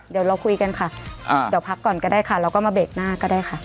เดี๋ยวเราคุยกันค่ะเดี๋ยวพักก่อนก็ได้ค่ะเราก็มาเบรกหน้าก็ได้ค่ะ